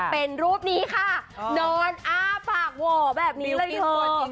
เป็นรูปนี้ค่ะนอนอ้าปากหว่อแบบนี้เลย